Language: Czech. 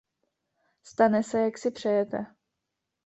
Stane se, jak si přejete.